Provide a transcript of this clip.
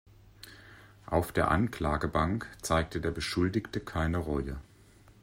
Auf der Anklagebank zeigte der Beschuldigte keine Reue.